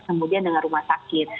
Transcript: kemudian dengan rumah sakit